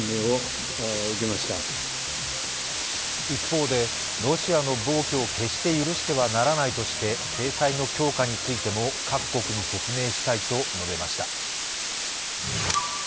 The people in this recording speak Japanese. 一方でロシアの暴挙を決して許してはならないとして制裁の強化についても各国に説明したいと述べました。